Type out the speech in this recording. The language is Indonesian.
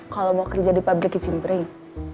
kalau mau kerja di pabrik kicim bering